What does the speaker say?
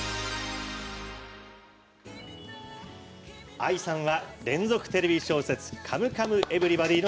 ＡＩさんは連続テレビ小説「カムカムエヴリバディ」の